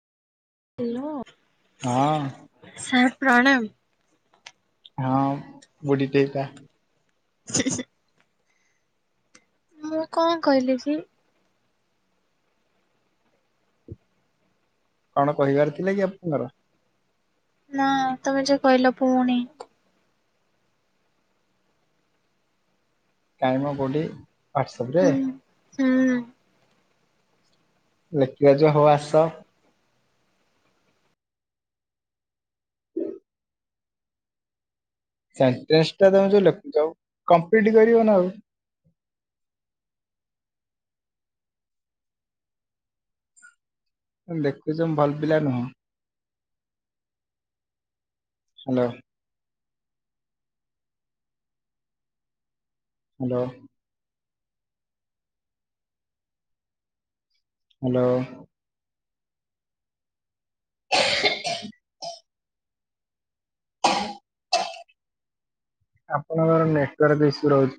Hello. ହଁ। Sir ପ୍ରଣାମ। ହଁ ବୁ଼ଢୀ ଟେ ହେଇଥା। ମୁଁ କଣ କହିଲି କି? କଣ କହିବାର ଥିଲା କି ଆପଣଙ୍କର? ନା ତୋମେ ଯୋଉ କହିଲ ପୁଣି କାଇଁ ମ କୋଉଠି ହ୍ୱାଟସପ ରେ। ହୁଁ ହୁଁ। ଲେକିବା ଯିବା ହଉ ଆସ। ସେଣ୍ଟେନ୍ସ ଟା ତମେ ଯୋଉ ଲେଖୁଚ କମ୍ପ୍ଲିଟ କରିବନା ଆଉ। ତମେ ଦେଖୁଛ ମୁଁ ଭଲପିଲା ନହଁ। ହାଲୋ। ହାଲୋ। ହାଲୋ। ଆପଣଙ୍କର ନେଟୱାର୍କ ଇସୁ ରହୁଛି।